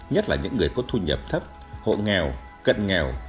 nhất là những người có thu nhập thấp hộ nghèo cận nghèo